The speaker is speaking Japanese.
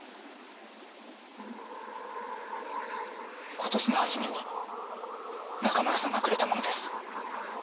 今年の初めに中村さんがくれたものです。